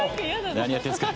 何やってんすか？